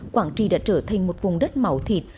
quảng trì đã trở thành một vùng đất màu thịt